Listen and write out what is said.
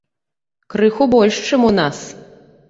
Крыху больш, чым у нас.